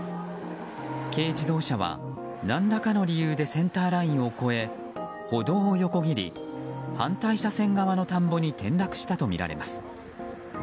軽自動車は何らかの理由でセンターラインを越え歩道を横切り反対車線側の田んぼに転落したとみられます。